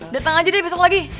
datang aja deh besok lagi